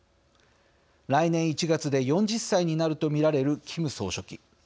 来年１月で４０歳になると見られるキム総書記。